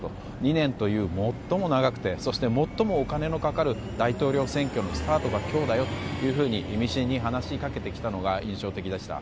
２年という最も長くて最もお金がかかる大統領選挙のスタートが今日だよと意味深に話しかけてきたのが印象的でした。